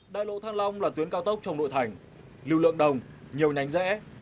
đại lộ thăng long là tuyến cao tốc trong nội thành lưu lượng đồng nhiều nhánh rẽ